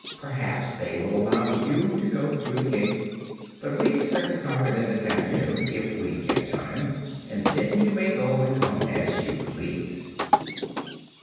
Perhaps they will allow you to go through the gate; but we expect to conquer them this afternoon, if we get time, and then you may go and come as you please."